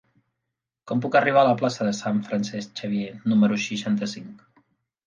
Com puc arribar a la plaça de Sant Francesc Xavier número seixanta-cinc?